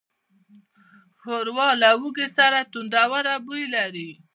ښوروا له هوږې سره تندهوره بوی لري.